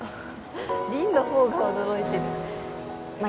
凛の方が驚いてるまあ